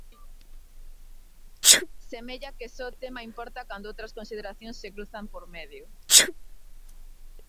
Semella que só o tema importa cando outras consideracións se cruzan por medio.